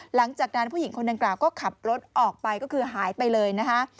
หลังจากนั้นผู้หญิงคนดังกล่าวก็ขับรถออกไปก็คือหายไปเลยนะคะ